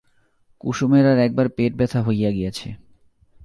কুসুমের আর একবার পেটব্যথা হইয়া গিয়াছে।